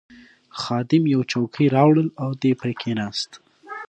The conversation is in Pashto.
خادم یوه چوکۍ راوړل او دی پرې کښېناست.